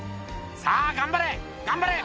「さぁ頑張れ頑張れ！